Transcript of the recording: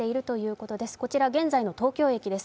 こちら現在の東京駅です。